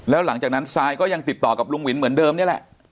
แล้วหลังจากนั้นซายก็ยังติดต่อกับลุงวินเหมือนเดิมนี่แหละ